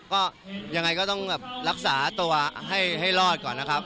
ก็ยังไงก็ต้องรักษาตัวให้รอดก่อนนะครับ